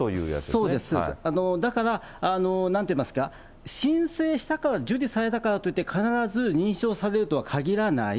そうです、だから、なんて言いますか、申請したから、受理されたからといって、必ず認証されるとはかぎらない。